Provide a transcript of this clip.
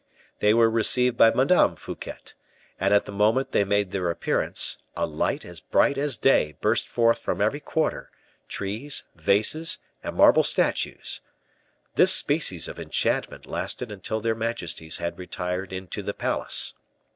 They were received by Madame Fouquet, and at the moment they made their appearance, a light as bright as day burst forth from every quarter, trees, vases, and marble statues. This species of enchantment lasted until their majesties had retired into the palace.